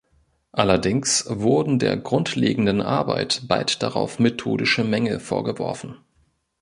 Allerdings wurden der grundlegenden Arbeit bald darauf methodische Mängel vorgeworfen.